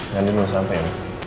nanti mau sampe ya